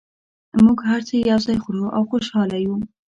موږ هر څه یو ځای خورو او خوشحاله یو